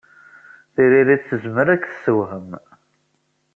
Tiririt tezmer ad k-tessewhem.